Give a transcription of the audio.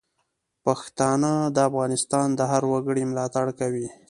پښتانه د افغانستان د هر وګړي ملاتړ کوي.